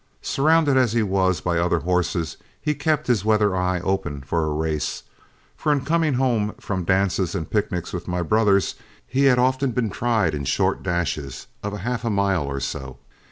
Surrounded as he was by other horses, he kept his weather eye open for a race, for in coming home from dances and picnics with my brothers, he had often been tried in short dashes of half a mile or so.